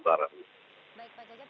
baik pak cajet